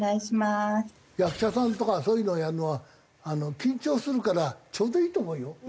役者さんとかそういうのをやるのは緊張するからちょうどいいと思うよ。